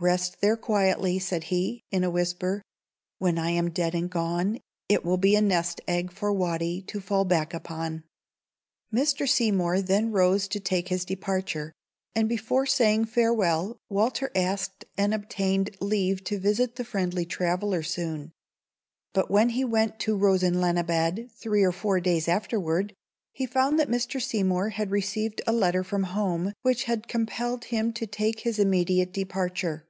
"Rest there quietly," said he, in a whisper; "when I am dead and gone, it will be a nest egg for Watty to fall back upon." Mr. Seymour then rose to take his departure: and before saying farewell, Walter asked and obtained leave to visit the friendly traveller soon; but when he went to Rosenlanibad three or four days afterward, he found that Mr. Seymour had received a letter from home, which had compelled him to take his immediate departure.